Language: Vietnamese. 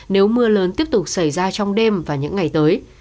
nếu mưa lớn tiếp tục xảy ra trong đêm và những ngày tới